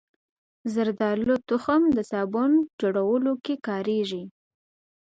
زردالو تخم د صابون جوړولو کې کارېږي.